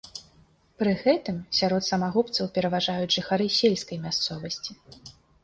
Пры гэтым сярод самагубцаў пераважаюць жыхары сельскай мясцовасці.